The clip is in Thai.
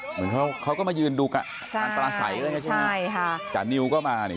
เหมือนเขาก็มายืนดูกับกำลังปลาใส